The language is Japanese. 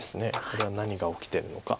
これは何が起きてるのか。